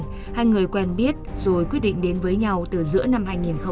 hai người quen biết rồi quyết định đến với nhau từ giữa năm hai nghìn hai mươi ba